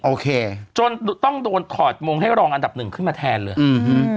โอเคจนต้องโดนถอดมงให้รองอันดับหนึ่งขึ้นมาแทนเลยอืม